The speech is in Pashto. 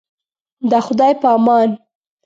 د خدای په امان.